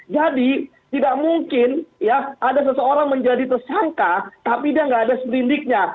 jadi tidak mungkin ya ada seseorang menjadi tersangka tapi dia nggak ada seprindiknya